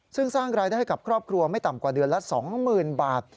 ซึ่งสร้างรายได้ให้กับครอบครัวไม่ต่ำกว่าเดือนละ๒๐๐๐บาท